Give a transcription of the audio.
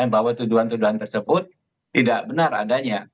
bahwa tujuan tujuan tersebut tidak benar adanya